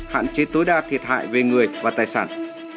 hạn chế tối đa thiệt hại về người và tài sản